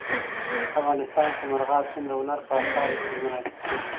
افغانستان کې مورغاب سیند د هنر په اثار کې منعکس کېږي.